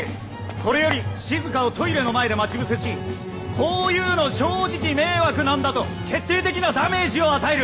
これよりしずかをトイレの前で待ち伏せし「こういうの正直迷惑なんだ」と決定的なダメージを与える。